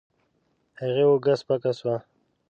هغې اوږه سپکه شوه.